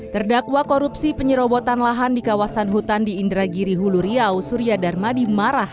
terdakwa korupsi penyerobotan lahan di kawasan hutan di indragiri hulu riau surya darmadi marah